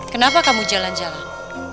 kenapa kamu jalan jalan